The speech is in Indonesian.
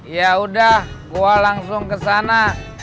ya udah gue langsung ke sana